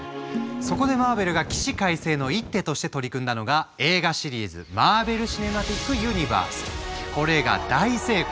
そこで「マーベル」が起死回生の一手として取り組んだのが映画シリーズこれが大成功！